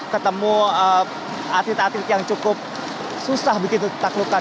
ketemu atlet atlet yang cukup susah begitu ditaklukkan